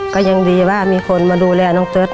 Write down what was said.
ก็ยังดีว่ามีคนมาดูแลน้องเติร์ท